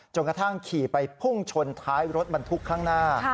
กระทั่งขี่ไปพุ่งชนท้ายรถบรรทุกข้างหน้า